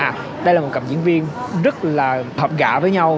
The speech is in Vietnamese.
và đây là một cặp diễn viên rất là hợp gạ với nhau